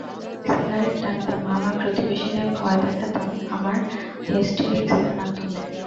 Cigarette টানতাম আমার প্রতিবেশীদের ভয় দেখাতাম আমার হিস্টিরিক্সের মাধ্যমে।